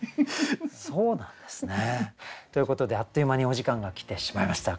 そうなんですね。ということであっという間にお時間が来てしまいました。